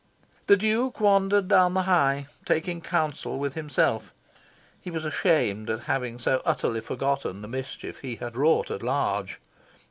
The Duke wandered down the High, taking counsel with himself. He was ashamed of having so utterly forgotten the mischief he had wrought at large.